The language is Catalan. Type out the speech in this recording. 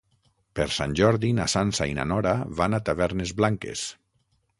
Per Sant Jordi na Sança i na Nora van a Tavernes Blanques.